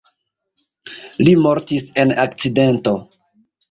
Li mortis en akcidento.